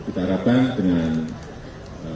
kita harapkan dengan bantuan ini konsumsi masyarakat